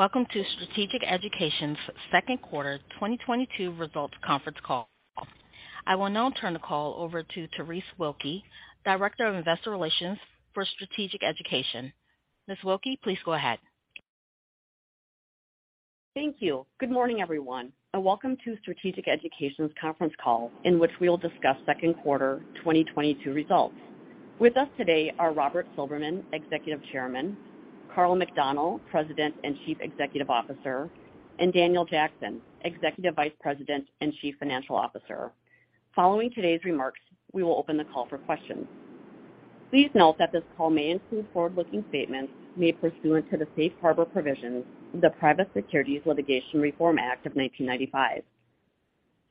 Welcome to Strategic Education's second quarter 2022 results conference call. I will now turn the call over to Terese Wilke, Director of Investor Relations for Strategic Education. Ms. Wilke, please go ahead. Thank you. Good morning, everyone, and welcome to Strategic Education's conference call, in which we will discuss second quarter 2022 results. With us today are Robert Silberman, Executive Chairman, Karl McDonnell, President and Chief Executive Officer, and Daniel Jackson, Executive Vice President and Chief Financial Officer. Following today's remarks, we will open the call for questions. Please note that this call may include forward-looking statements made pursuant to the Safe Harbor provisions of the Private Securities Litigation Reform Act of 1995.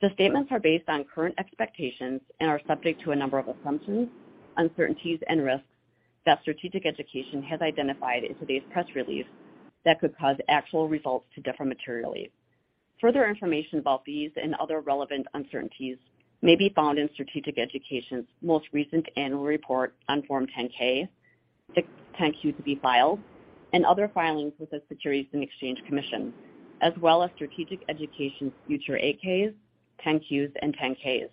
The statements are based on current expectations and are subject to a number of assumptions, uncertainties, and risks that Strategic Education has identified in today's press release that could cause actual results to differ materially. Further information about these and other relevant uncertainties may be found in Strategic Education's most recent annual report on Form 10-K, the 10-Q to be filed, and other filings with the Securities and Exchange Commission, as well as Strategic Education's future 8-Ks, 10-Qs, and 10-Ks.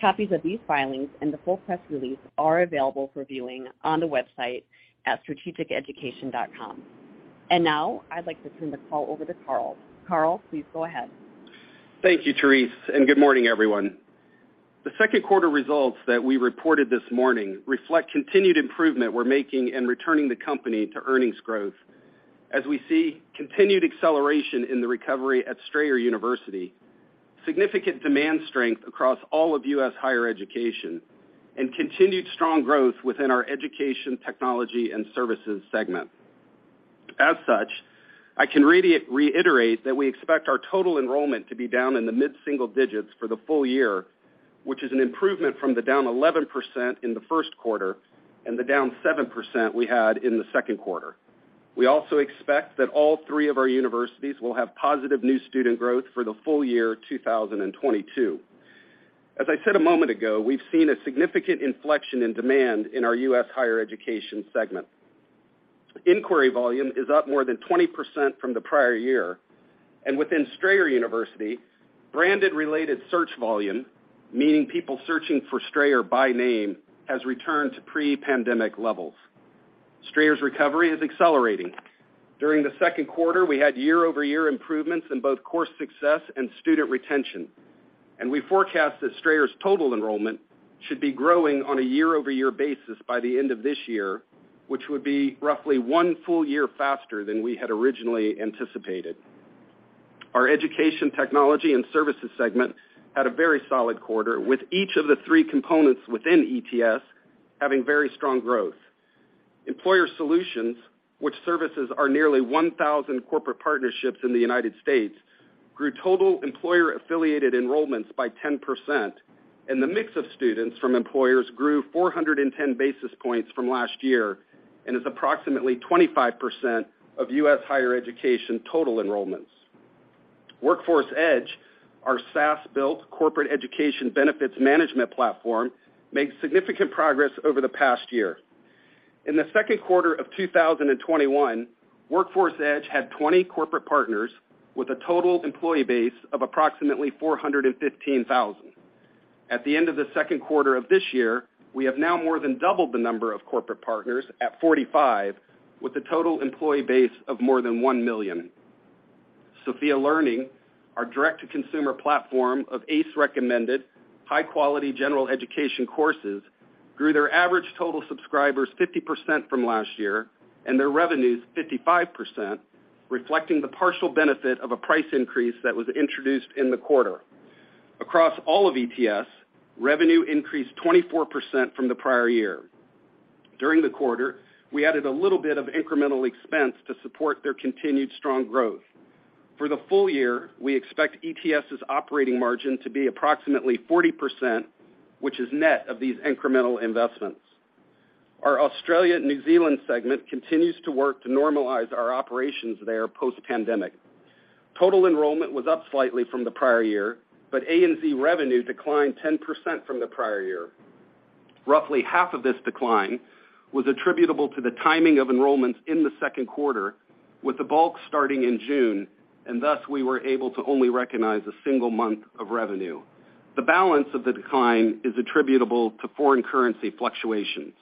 Copies of these filings and the full press release are available for viewing on the website at strategiceducation.com. Now I'd like to turn the call over to Karl. Karl, please go ahead. Thank you, Terese, and good morning, everyone. The second quarter results that we reported this morning reflect continued improvement we're making in returning the company to earnings growth as we see continued acceleration in the recovery at Strayer University, significant demand strength across all of U.S. higher education, and continued strong growth within our education, technology, and services segment. As such, I can reiterate that we expect our total enrollment to be down in the mid-single digits for the full year, which is an improvement from the down 11% in the first quarter and the down 7% we had in the second quarter. We also expect that all three of our universities will have positive new student growth for the full year 2022. As I said a moment ago, we've seen a significant inflection in demand in our U.S. higher education segment. Inquiry volume is up more than 20% from the prior year, and within Strayer University, branded related search volume, meaning people searching for Strayer by name, has returned to pre-pandemic levels. Strayer's recovery is accelerating. During the second quarter, we had year-over-year improvements in both course success and student retention, and we forecast that Strayer's total enrollment should be growing on a year-over-year basis by the end of this year, which would be roughly one full year faster than we had originally anticipated. Our education technology and services segment had a very solid quarter, with each of the three components within ETS having very strong growth. Employer Solutions, which services our nearly 1,000 corporate partnerships in the United States, grew total employer-affiliated enrollments by 10%, and the mix of students from employers grew 410 basis points from last year and is approximately 25% of U.S. higher education total enrollments. Workforce Edge, our SaaS-built corporate education benefits management platform, made significant progress over the past year. In the second quarter of 2021, Workforce Edge had 20 corporate partners with a total employee base of approximately 415,000. At the end of the second quarter of this year, we have now more than doubled the number of corporate partners at 45, with a total employee base of more than 1 million. Sophia Learning, our direct-to-consumer platform of ACE-recommended, high-quality general education courses, grew their average total subscribers 50% from last year and their revenues 55%, reflecting the partial benefit of a price increase that was introduced in the quarter. Across all of ETS, revenue increased 24% from the prior year. During the quarter, we added a little bit of incremental expense to support their continued strong growth. For the full year, we expect ETS's operating margin to be approximately 40%, which is net of these incremental investments. Our Australia/New Zealand segment continues to work to normalize our operations there post-pandemic. Total enrollment was up slightly from the prior year, but ANZ revenue declined 10% from the prior year. Roughly half of this decline was attributable to the timing of enrollments in the second quarter, with the bulk starting in June, and thus we were able to only recognize a single month of revenue. The balance of the decline is attributable to foreign currency fluctuations.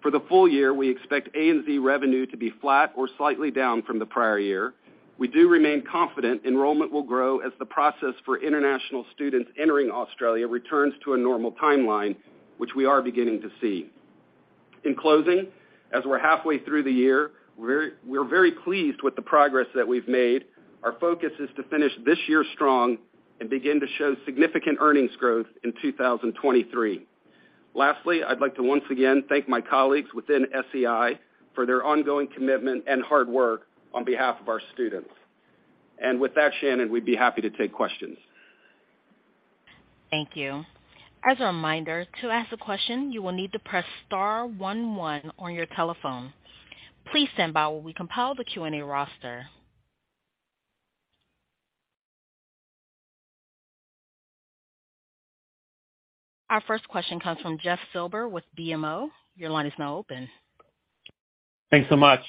For the full year, we expect ANZ revenue to be flat or slightly down from the prior year. We do remain confident enrollment will grow as the process for international students entering Australia returns to a normal timeline, which we are beginning to see. In closing, as we're halfway through the year, we're very pleased with the progress that we've made. Our focus is to finish this year strong and begin to show significant earnings growth in 2023. Lastly, I'd like to once again thank my colleagues within SEI for their ongoing commitment and hard work on behalf of our students. With that, Shannon, we'd be happy to take questions. Thank you. As a reminder, to ask a question, you will need to press star one one on your telephone. Please stand by while we compile the Q&A roster. Our first question comes from Jeff Silber with BMO. Your line is now open. Thanks so much.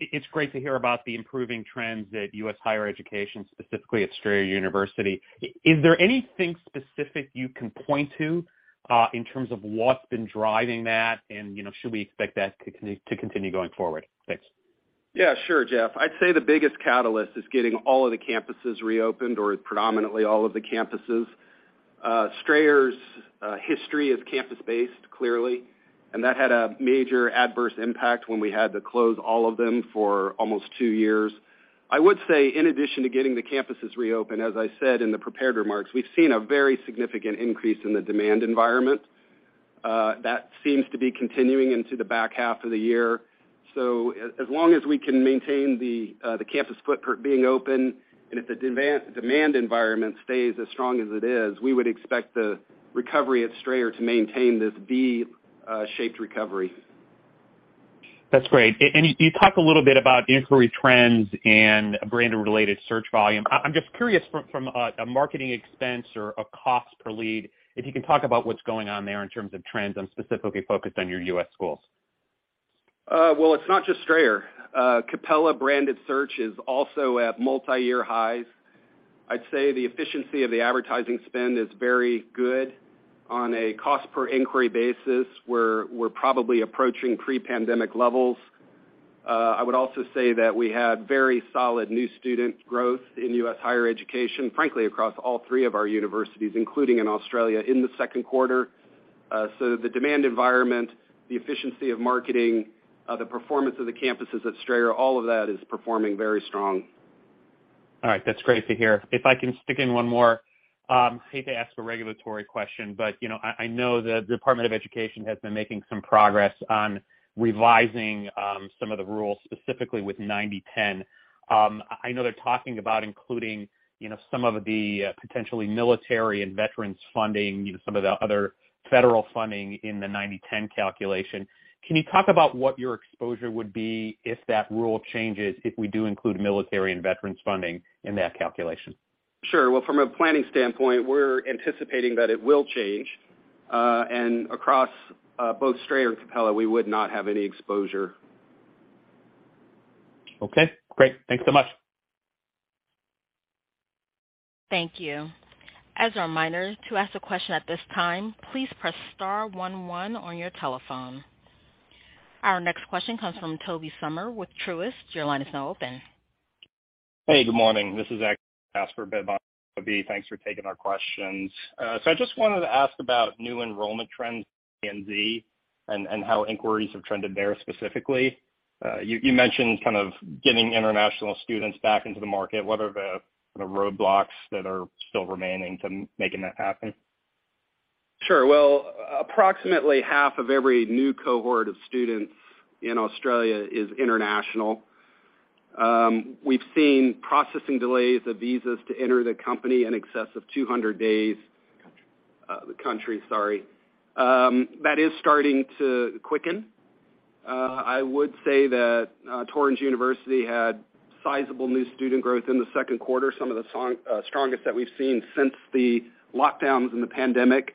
It's great to hear about the improving trends at U.S. Higher Education, specifically at Strayer University. Is there anything specific you can point to, in terms of what's been driving that? You know, should we expect that to continue going forward? Thanks. Yeah, sure, Jeff. I'd say the biggest catalyst is getting all of the campuses reopened, or predominantly all of the campuses. Strayer's history is campus-based, clearly, and that had a major adverse impact when we had to close all of them for almost two years. I would say in addition to getting the campuses reopened, as I said in the prepared remarks, we've seen a very significant increase in the demand environment. That seems to be continuing into the back half of the year. As long as we can maintain the campus footprint being open and if the demand environment stays as strong as it is, we would expect the recovery at Strayer to maintain this V-shaped recovery. That's great. You talked a little bit about inquiry trends and brand-related search volume. I'm just curious from a marketing expense or a cost per lead, if you can talk about what's going on there in terms of trends. I'm specifically focused on your U.S. schools. Well, it's not just Strayer. Capella branded search is also at multiyear highs. I'd say the efficiency of the advertising spend is very good. On a cost per inquiry basis, we're probably approaching pre-pandemic levels. I would also say that we had very solid new student growth in U.S. higher education, frankly, across all three of our universities, including in Australia in the second quarter. The demand environment, the efficiency of marketing, the performance of the campuses at Strayer, all of that is performing very strong. All right, that's great to hear. If I can stick in one more. Hate to ask a regulatory question, but, you know, I know the Department of Education has been making some progress on revising some of the rules, specifically with 90/10. I know they're talking about including, you know, some of the potentially military and veterans funding, some of the other federal funding in the 90/10 calculation. Can you talk about what your exposure would be if that rule changes, if we do include military and veterans funding in that calculation? Sure. Well, from a planning standpoint, we're anticipating that it will change. Across both Strayer and Capella, we would not have any exposure. Okay, great. Thanks so much. Thank you. As a reminder, to ask a question at this time, please press star one one on your telephone. Our next question comes from Tobey Sommer with Truist. Your line is now open. Hey, good morning. This is actually Jeff Silber. Tobey, thanks for taking our questions. I just wanted to ask about new enrollment trends in ANZ and how inquiries have trended there specifically. You mentioned kind of getting international students back into the market. What are the roadblocks that are still remaining to making that happen? Sure. Well, approximately half of every new cohort of students in Australia is international. We've seen processing delays of visas to enter the country in excess of 200 days. Country. That is starting to quicken. I would say that Torrens University had sizable new student growth in the second quarter, some of the strongest that we've seen since the lockdowns and the pandemic.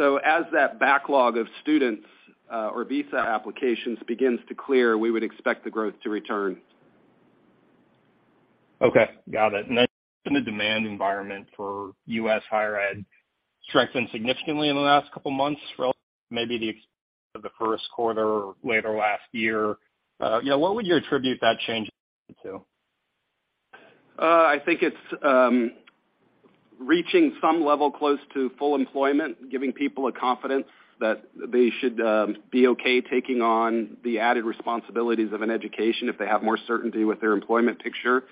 As that backlog of students or visa applications begins to clear, we would expect the growth to return. Okay, got it. The demand environment for U.S. higher ed strengthened significantly in the last couple of months, relative maybe the first quarter or later last year. You know, what would you attribute that change to? I think it's reaching some level close to full employment, giving people a confidence that they should be okay taking on the added responsibilities of an education if they have more certainty with their employment picture.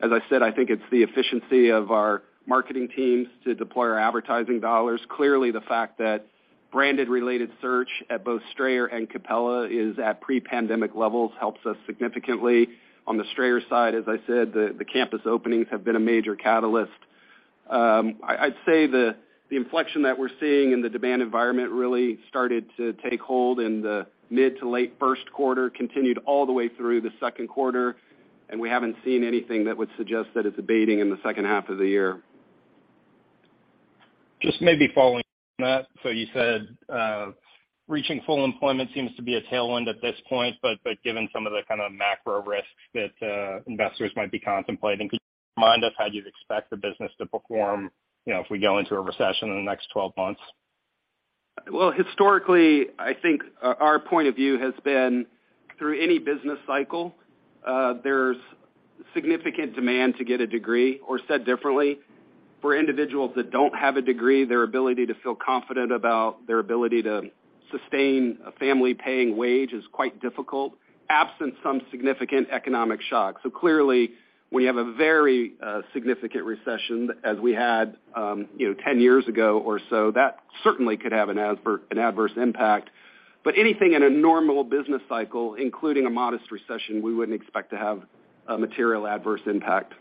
As I said, I think it's the efficiency of our marketing teams to deploy our advertising dollars. Clearly, the fact that branded related search at both Strayer and Capella is at pre-pandemic levels helps us significantly. On the Strayer side, as I said, the campus openings have been a major catalyst. I'd say the inflection that we're seeing in the demand environment really started to take hold in the mid to late first quarter, continued all the way through the second quarter, and we haven't seen anything that would suggest that it's abating in the second half of the year. Just maybe following that. You said, reaching full employment seems to be a tailwind at this point, but given some of the kind of macro risks that investors might be contemplating, could you remind us how you'd expect the business to perform, you know, if we go into a recession in the next 12 months? Well, historically, I think our point of view has been through any business cycle, there's significant demand to get a degree. Said differently, for individuals that don't have a degree, their ability to feel confident about their ability to sustain a family-paying wage is quite difficult, absent some significant economic shock. Clearly, when you have a very significant recession as we had, you know, 10 years ago or so, that certainly could have an adverse impact. Anything in a normal business cycle, including a modest recession, we wouldn't expect to have a material adverse impact.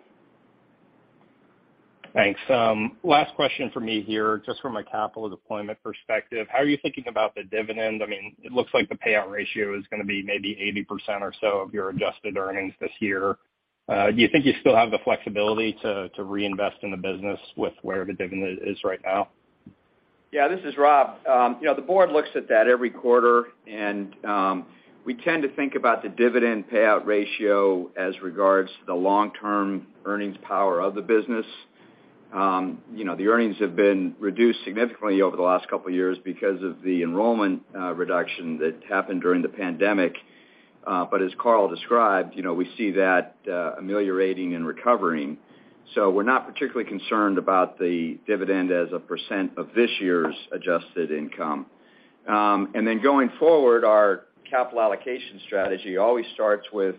Thanks. Last question for me here. Just from a capital deployment perspective, how are you thinking about the dividend? I mean, it looks like the payout ratio is gonna be maybe 80% or so of your adjusted earnings this year. Do you think you still have the flexibility to reinvest in the business with where the dividend is right now? Yeah, this is Rob. You know, the board looks at that every quarter and, we tend to think about the dividend payout ratio as regards to the long-term earnings power of the business. You know, the earnings have been reduced significantly over the last couple years because of the enrollment, reduction that happened during the pandemic. As Karl McDonnell described, you know, we see that, ameliorating and recovering. We're not particularly concerned about the dividend as a percent of this year's adjusted income. Going forward, our capital allocation strategy always starts with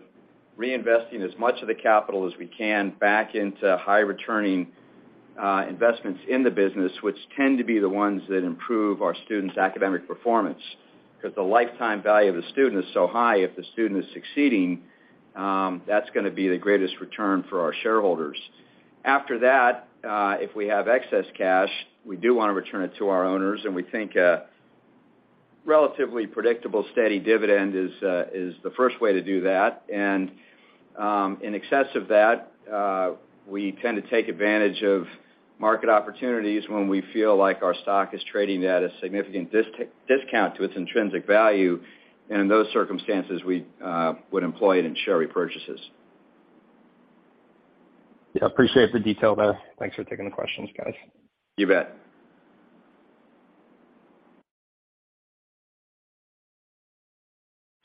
reinvesting as much of the capital as we can back into high returning, investments in the business, which tend to be the ones that improve our students' academic performance. Because the lifetime value of a student is so high, if the student is succeeding, that's gonna be the greatest return for our shareholders. After that, if we have excess cash, we do wanna return it to our owners, and we think a relatively predictable, steady dividend is the first way to do that. In excess of that, we tend to take advantage of market opportunities when we feel like our stock is trading at a significant discount to its intrinsic value. In those circumstances, we would employ it in share repurchases. Yeah, appreciate the detail there. Thanks for taking the questions, guys. You bet.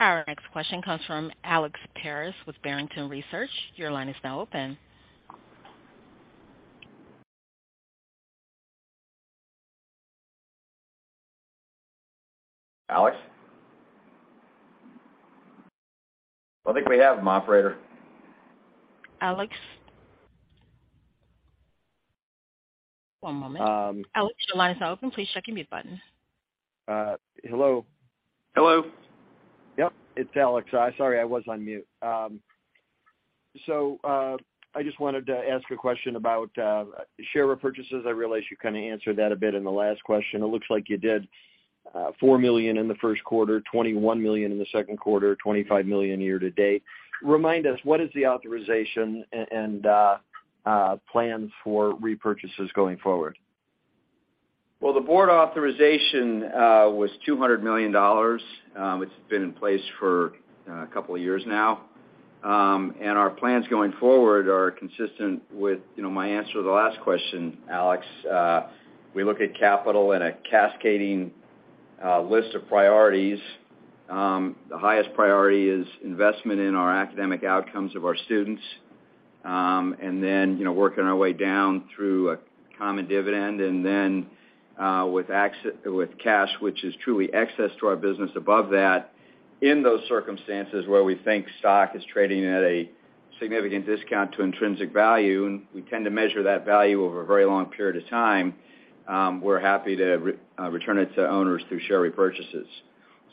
Our next question comes from Alex Paris with Barrington Research. Your line is now open. Alex? I don't think we have him, operator. Alex? One moment. Um- Alex, your line is now open. Please check your mute button. Hello. Hello. Yep, it's Alex. Sorry, I was on mute. So, I just wanted to ask a question about share repurchases. I realize you kinda answered that a bit in the last question. It looks like you did $4 million in the first quarter, $21 million in the second quarter, $25 million year to date. Remind us, what is the authorization and plans for repurchases going forward? Well, the board authorization was $200 million. It's been in place for a couple of years now. Our plans going forward are consistent with, you know, my answer to the last question, Alex. We look at capital in a cascading list of priorities. The highest priority is investment in our academic outcomes of our students, and then, you know, working our way down through a common dividend and then with cash, which is truly excess to our business above that. In those circumstances where we think stock is trading at a significant discount to intrinsic value, and we tend to measure that value over a very long period of time, we're happy to return it to owners through share repurchases.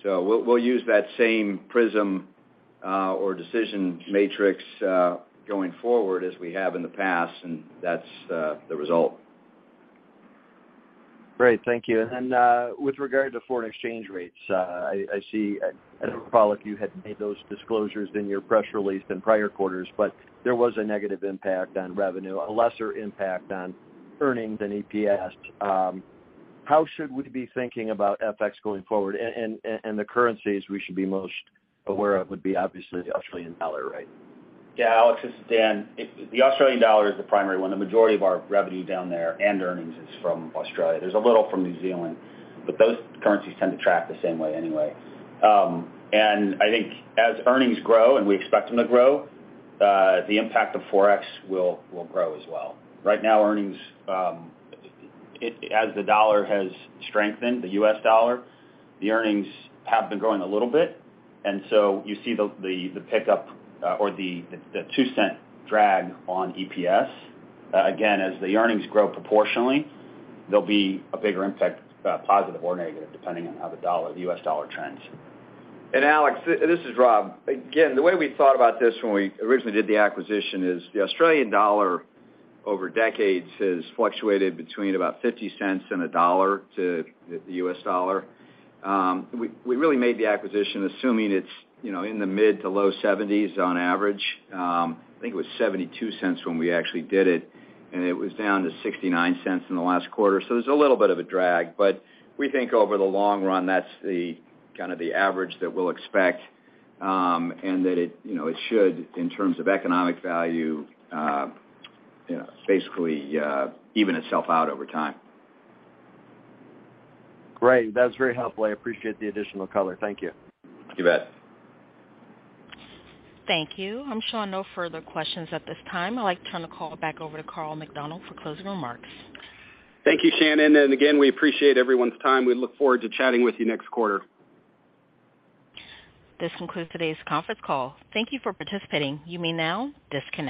We'll use that same prism, or decision matrix, going forward as we have in the past, and that's the result. Great. Thank you. With regard to foreign exchange rates, I see, Karl, if you had made those disclosures in your press release in prior quarters, but there was a negative impact on revenue, a lesser impact on earnings and EPS. How should we be thinking about FX going forward? The currencies we should be most aware of would be obviously the Australian dollar, right? Yeah. Alex, this is Dan. The Australian dollar is the primary one. The majority of our revenue down there and earnings is from Australia. There's a little from New Zealand, but those currencies tend to track the same way anyway. I think as earnings grow, and we expect them to grow, the impact of Forex will grow as well. Right now, earnings, as the dollar has strengthened, the U.S. dollar, the earnings have been growing a little bit, and so you see the pickup, or the two cent drag on EPS. Again, as the earnings grow proportionally, there'll be a bigger impact, positive or negative, depending on how the dollar, the U.S. dollar trends. Alex, this is Rob. Again, the way we thought about this when we originally did the acquisition is the Australian dollar over decades has fluctuated between about $0.50 and $1 to the U.S. dollar. We really made the acquisition, assuming it's, you know, in the mid- to low-70s on average. I think it was $0.72 when we actually did it, and it was down to $0.69 in the last quarter. There's a little bit of a drag, but we think over the long run, that's kind of the average that we'll expect, and that it, you know, it should, in terms of economic value, you know, basically, even itself out over time. Great. That's very helpful. I appreciate the additional color. Thank you. You bet. Thank you. I'm showing no further questions at this time. I'd like to turn the call back over to Karl McDonnell for closing remarks. Thank you, Shannon. Again, we appreciate everyone's time. We look forward to chatting with you next quarter. This concludes today's conference call. Thank you for participating. You may now disconnect.